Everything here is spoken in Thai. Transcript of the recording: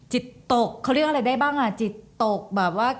จิตตกเขาเรียกอะไรได้บ้างอ่ะจิตตกแบบว่า